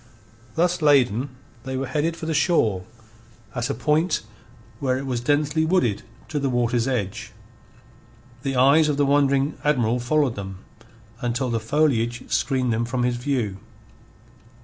Thus laden, they were headed for the shore, at a point where it was densely wooded to the water's edge. The eyes of the wondering Admiral followed them until the foliage screened them from his view.